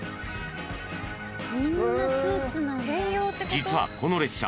［実はこの列車］